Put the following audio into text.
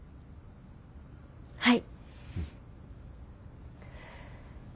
はい。